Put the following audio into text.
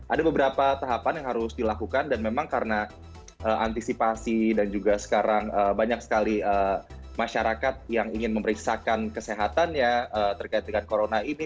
ada beberapa tahapan yang harus dilakukan dan memang karena antisipasi dan juga sekarang banyak sekali masyarakat yang ingin memeriksakan kesehatannya terkait dengan corona ini